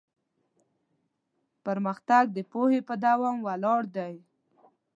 پرمختګ د پوهې په دوام ولاړ دی.